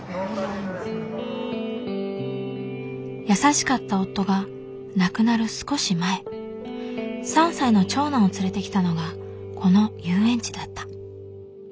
優しかった夫が亡くなる少し前３歳の長男を連れてきたのがこの遊園地だった。